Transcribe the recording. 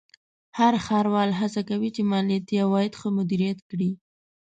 هر ښاروال هڅه کوي چې مالیاتي عواید ښه مدیریت کړي.